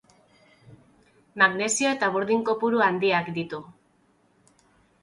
Magnesio eta burdin kopuru handiak ditu.